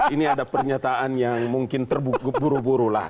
ini ada pernyataan yang mungkin terburu buru lah